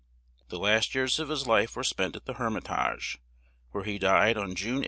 The last years of his life were spent at "The Her mit age," where he died on June 8th, 1845.